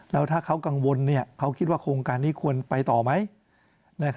แล้วถ้าเขากังวลเขาคิดว่าโครงการนี้ควรไปต่อไหม